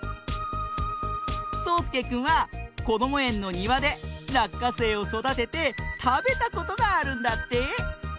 そうすけくんはこどもえんのにわでらっかせいをそだててたべたことがあるんだって。